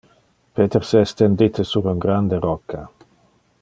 Peter se es tendite sur un grande rocca.